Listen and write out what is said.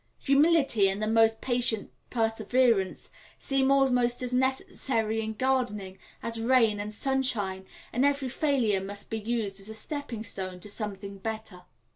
Humility, and the most patient perseverance, seem almost as necessary in gardening as rain and sunshine, and every failure must be used as a stepping stone to something better.